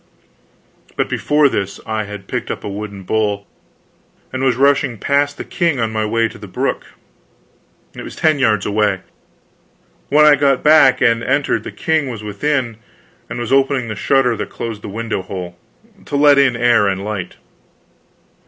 But before this I had picked up a wooden bowl and was rushing past the king on my way to the brook. It was ten yards away. When I got back and entered, the king was within, and was opening the shutter that closed the window hole, to let in air and light.